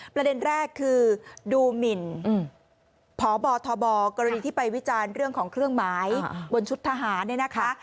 ประเด็นแรกคือดูหมินพบทบกรณีที่ไปวิจารณ์เรื่องของเครื่องหมายบนชุดทหารเนี่ยนะคะ